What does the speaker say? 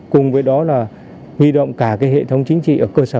cùng với đó là huy động cả cái hệ thống chính trị ở cơ sở